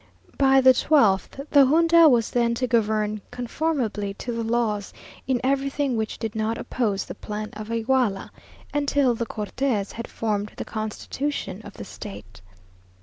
By the twelfth, the Junta was then to govern conformably to the laws, in everything which did not oppose the plan of Iguala, and till the Cortes had formed the constitution of the state.